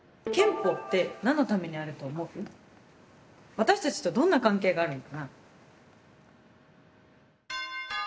私たちとどんな関係があるのかな？